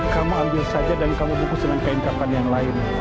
kamu ambil saja dan kamu bungkus dengan kelengkapan yang lain